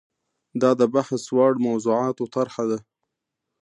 دا د بحث وړ موضوعاتو طرحه ده.